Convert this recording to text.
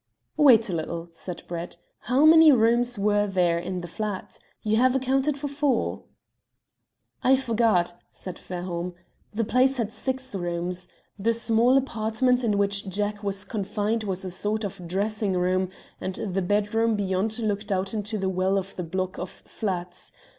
"Wait a little," said Brett. "How many rooms were there in the flat? You have accounted for four." "I forgot," said Fairholme. "The place had six rooms. The small apartment in which Jack was confined was a sort of dressing room, and the bedroom beyond looked out into the well of the block of flats.